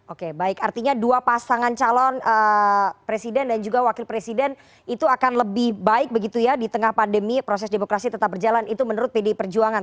oke baik artinya dua pasangan calon presiden dan juga wakil presiden itu akan lebih baik begitu ya di tengah pandemi proses demokrasi tetap berjalan itu menurut pdi perjuangan